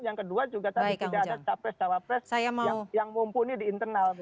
yang kedua juga tadi tidak ada capres cawapres yang mumpuni di internal